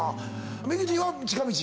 ミキティは近道？